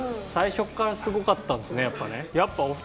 最初からすごかったんですねやっぱね。